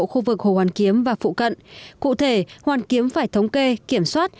khu vực hồ hoàn kiếm và phụ cận cụ thể hoàn kiếm phải thống kê kiểm soát